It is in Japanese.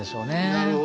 なるほどね。